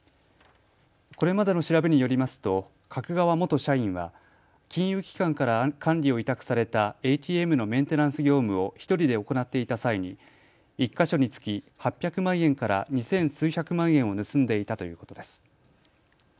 これまでの調べによりますと角川元社員は金融機関から管理を委託されたＡＴＭのメンテナンス業務を１人で行っていた際に１か所につき８００万円から２千数百万円を盗んでいたということです。